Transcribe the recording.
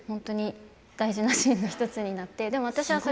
大事なシーンの１つになって。